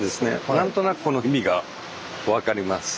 なんとなくこの意味が分かります。